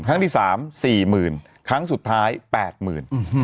ครั้งที่๓๔หมื่นครั้งสุดท้าย๘หมื่น